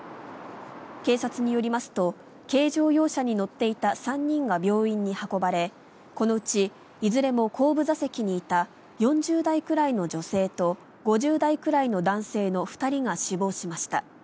警察によりますと軽乗用車に乗っていた３人が病院に運ばれこのうちいずれも後部座席にいた４０代くらいの女性と５０代くらいの男性の２人が死亡しました。